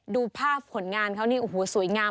ดูภาพผลงานเขานี่โอ้โหสวยงาม